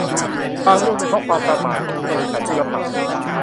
บางเรื่องเป็นเพราะความประมาทของบริษัทผู้รับเหมา